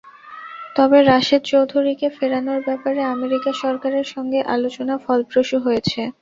তবে রাশেদ চৌধুরীকে ফেরানোর ব্যাপারে আমেরিকা সরকারের সঙ্গে আলোচনা ফলপ্রসূ হয়েছে।